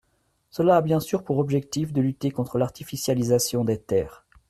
Cela a bien sûr pour objectif de lutter contre l’artificialisation des terres.